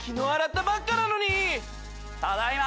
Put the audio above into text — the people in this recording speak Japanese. ただいま！